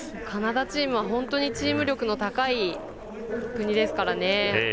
カナダチームは本当にチーム力の高い国ですから。